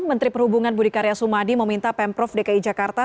menteri perhubungan budi karya sumadi meminta pemprov dki jakarta